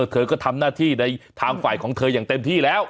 เธอก็ทำหน้าที่ในทางฝ่ายของเธออย่างเต็มที่แล้ว